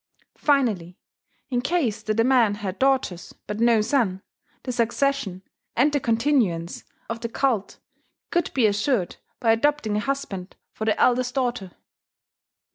Finally, in case that a man had daughters but no son, the succession and the continuance of the cult could be assured by adopting a husband for the eldest daughter.